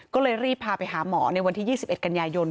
ก็เลยรีบพาไปหาหมอในวันที่๒๑กันยายน